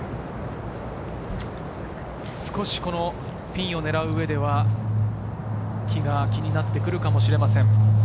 少しピンを狙う上では木が気になってくるかもしれません。